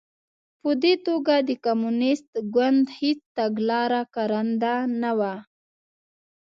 په دې توګه د کمونېست ګوند هېڅ تګلاره کارنده نه وه